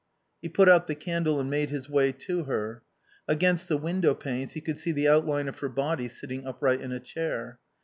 He put out the candle and made his way to her. Against the window panes he could see the outline of her body sitting upright in a chair.